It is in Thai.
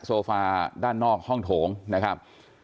โซฟาด้านนอกห้องโถงนะครับ